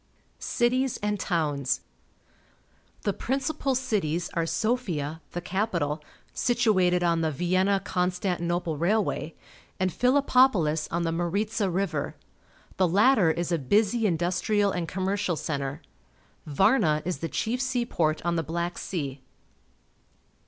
Cities and Towns. — The principal cities are Sofia, the capital, situated on the Vienna Constantinople railway, and Philippopolis on the Maritza River. The latter is a busj' industrial and commercial centre. Varna is the chief seaport on the Black Sea.